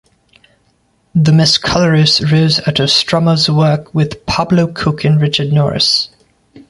The Mescaleros rose out of Strummer's work with Pablo Cook and Richard Norris.